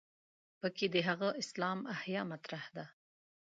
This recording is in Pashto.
په کې د هغه اسلام احیا مطرح ده.